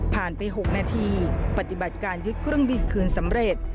ไป๖นาทีปฏิบัติการยึดเครื่องบินคืนสำเร็จ